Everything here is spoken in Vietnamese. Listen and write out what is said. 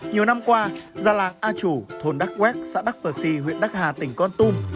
nhiều năm qua ra làng a chủ thôn đắc quét xã đắc phờ si huyện đắc hà tỉnh con tum